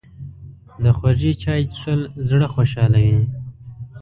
د خوږ چای څښل زړه خوشحالوي